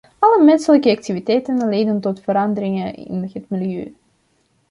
Alle menselijke activiteiten leiden tot veranderingen in het milieu.